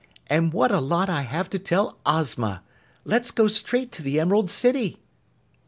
"And what a lot I have to tell Ozma! Let's go straight to the Emerald City."